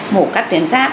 mổ cắt tuyến giáp